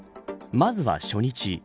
まずは初日。